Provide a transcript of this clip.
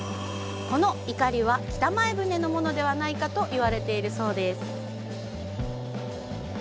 このいかりは北前船のものではないかと言われているそうです。